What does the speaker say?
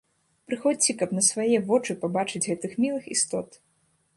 Прыходзьце, каб на свае вочы пабачыць гэтых мілых істот!